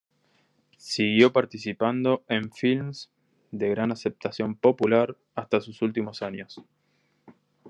Siguió participando en filmes de gran aceptación popular hasta sus últimos años.